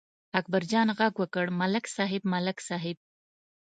اکبرجان غږ وکړ: ملک صاحب، ملک صاحب!